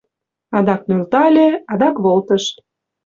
Адак нӧлтале, адак волтыш.